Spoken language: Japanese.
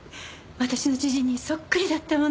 私の知人にそっくりだったもので。